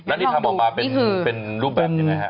อันนี้ทำออกมาเป็นรูปแบบอย่างไรฮะ